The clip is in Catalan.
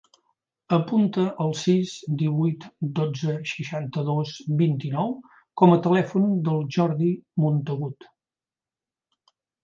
Apunta el sis, divuit, dotze, seixanta-dos, vint-i-nou com a telèfon del Jordi Montagud.